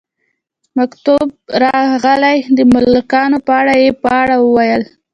مکتوب راغلی د ملکانو په اړه، یې په اړه وویل.